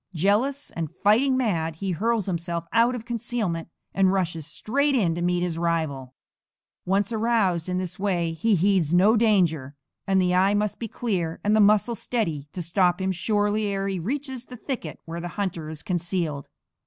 Jealous, and fighting mad, he hurls himself out of his concealment and rushes straight in to meet his rival. Once aroused in this way he heeds no danger, and the eye must be clear and the muscles steady to stop him surely ere he reaches the thicket where the hunter is concealed.